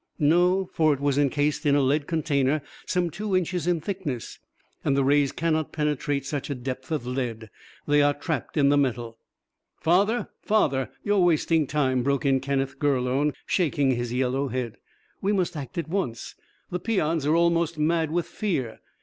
"No. For it was incased in a lead container some two inches in thickness, and the rays cannot penetrate such a depth of lead. They are trapped in the metal." "Father, father, you're wasting time," broke in Kenneth Gurlone, shaking his yellow head. "We must act at once. The peons are almost mad with fear.